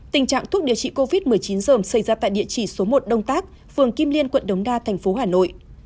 tình trạng thuốc điều trị covid một mươi chín dởm xảy ra tại địa chỉ số một đông tác phường kim liên quận đống đa thành phố hà nội